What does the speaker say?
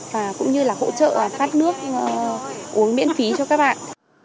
và cũng như là hỗ trợ phát nước uống miễn phí cho các bạn